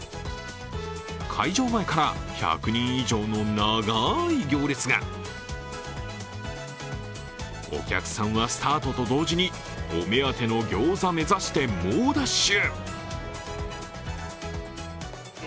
開場前から１００人以上の長い行列がお客さんはスタートと同座にお目当ての餃子目指して猛ダッシュ。